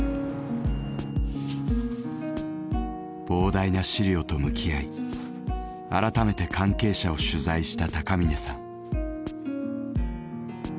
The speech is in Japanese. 膨大な資料と向き合い改めて関係者を取材した高峰さん。